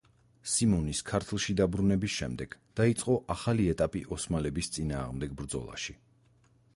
სიმონის ქართლში დაბრუნების შემდეგ დაიწყო ახალი ეტაპი ოსმალების წინააღმდეგ ბრძოლაში.